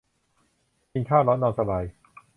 กินข้าวร้อนนอนสบาย